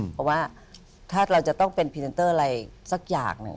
เพราะว่าถ้าเราจะต้องเป็นพรีเซนเตอร์อะไรสักอย่างหนึ่ง